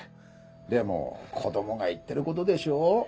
でも子供が言ってることでしょう？